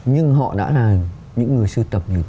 nhưng họ đã là những người sưu tập